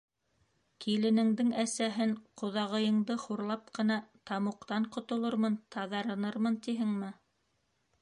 Киленеңдең әсәһен, ҡоҙағыйыңды, хурлап ҡына тамуҡтан ҡотолормон, таҙарынырмын тиһеңме?